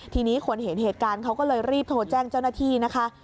ทีนี้คนเห็นเหตุการณ์เขาก็เลยรีบโทรแจ้งเจ้าหน้าที่นะคะ